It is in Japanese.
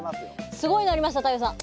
すごいのありました太陽さん。